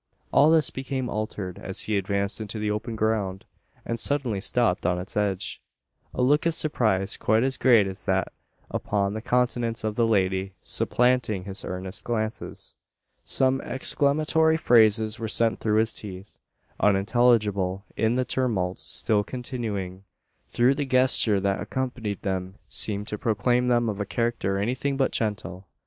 All this became altered, as he advanced into the open ground, and suddenly stopped on its edge; a look of surprise quite as great as that upon the countenance of the lady, supplanting his earnest glances. Some exclamatory phrases were sent through his teeth, unintelligible in the tumult still continuing, though the gesture that accompanied them seemed to proclaim them of a character anything but gentle.